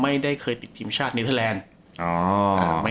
ไม่ได้เคยติดทีมชาติเนเทอร์แลนด์